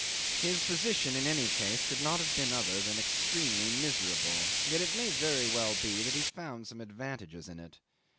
'His position in any case could not have been other than extremely miserable, yet it may very well be that he found some advantages in it.